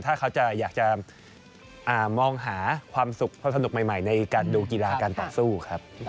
ถ้าเขาจะอยากจะมองหาความสุขความสนุกใหม่ในการดูกีฬาการต่อสู้ครับ